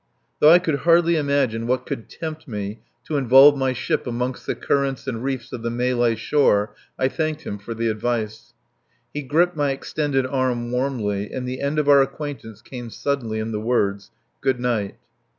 Though I could hardly imagine what could tempt me to involve my ship amongst the currents and reefs of the Malay shore, I thanked him for the advice. He gripped my extended arm warmly, and the end of our acquaintance came suddenly in the words: "Good night."